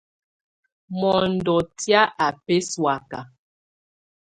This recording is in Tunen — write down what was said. Mɔndɔ tɛ̀á á bǝsɔ̀áka.